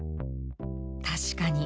確かに。